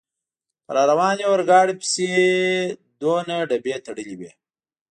په را روانې اورګاډي پسې دومره ډبې تړلې وې.